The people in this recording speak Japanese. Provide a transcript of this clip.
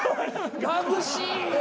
まぶしい。